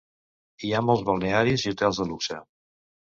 Hi ha molts balnearis i hotels de luxe.